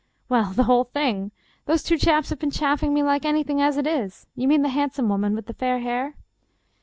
" Well, the whole thing. Those two chaps have been chaffing me like anything as it is. You mean the hand some woman with the fair hair